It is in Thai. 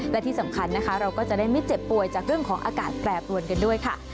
และที่สำคัญนะคะเราก็จะได้ไม่เจ็บป่วยจากเรื่องของอากาศแปรปรวนกันด้วยค่ะ